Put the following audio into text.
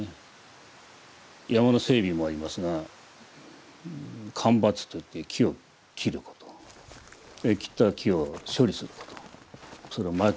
山の整備もありますが間伐といって木を切ること切った木を処理することそれを薪にするっていうことですね。